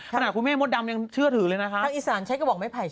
ขนาดคุณแม่สดดำยังเชื่อถือละนะคะ